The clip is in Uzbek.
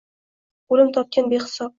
O’limtopgan behisob.